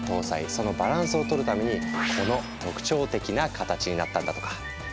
そのバランスを取るためにこの特徴的な形になったんだとか。